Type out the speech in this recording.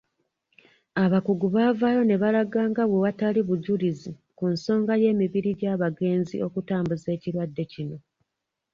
Abakugu baavaayo ne balaga nga bwe watali bujulizi ku nsonga y'emibiri gy'abagenzi okutambuza ekirwadde kino.